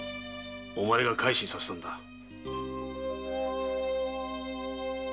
お前が改心させたのだ。